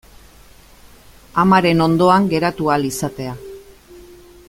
Amaren ondoan geratu ahal izatea.